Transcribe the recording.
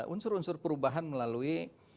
unsur unsur perubahan melalui